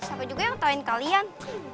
siapa juga yang tahuin kalian